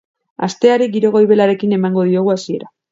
Asteari giro goibelarekin emango diogu hasiera.